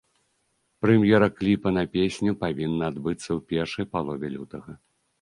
Прэм'ера кліпа на песню павінна адбыцца ў першай палове лютага.